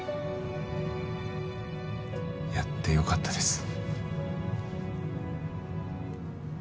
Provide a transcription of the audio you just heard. やってよかったです。